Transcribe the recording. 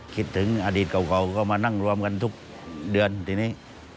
คิดถึงอดีตเก่าก็มานั่งรวมกันทุกเดือนทีนี้